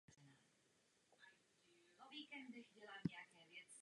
Klima je již příliš studené a kulovité kaktusy se nevyskytují.